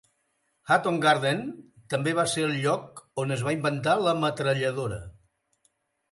Hatton Garden també va ser el lloc on es va inventar la metralladora.